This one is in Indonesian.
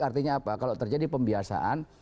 artinya apa kalau terjadi pembiasaan